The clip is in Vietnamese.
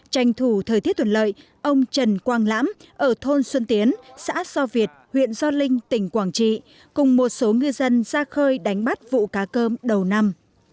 tranh thủ thời tiết thuận lợi ông trần quang lãm ở thôn xuân tiến xã do việt huyện gio linh tỉnh quảng trị cùng một số ngư dân ra khơi đánh bắt vụ cá cơm đầu năm